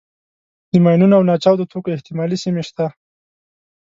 د ماینونو او ناچاودو توکو احتمالي سیمې شته.